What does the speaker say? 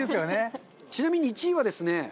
ちなみに１位はですね